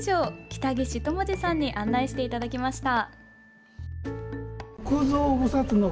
北岸外茂治さんに案内していただきました。